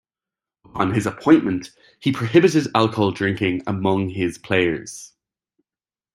Upon his appointment, he prohibited alcohol drinking among his players.